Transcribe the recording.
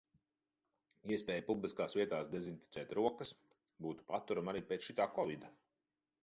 Iespēja publiskās vietās dezinficēt rokas būtu paturama arī pēc šitā kovida.